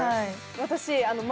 私。